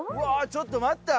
ちょっと待って。